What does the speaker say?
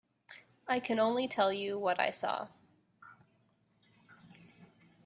I can only tell you what I saw.